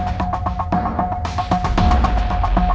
saya juga atten sedikit kepadamu